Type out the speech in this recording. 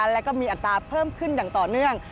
แล้วก็มีอัตราเพิ่มขึ้นอย่างต่อเนื่อง